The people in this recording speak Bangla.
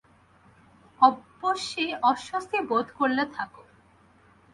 অবশ্যি অস্বস্তি বোধ করলে থাক।